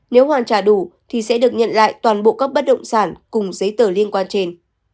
nếu hoàn trả đủ thì sẽ được nhận lại toàn bộ các bất động sản cùng giấy tờ liên quan trên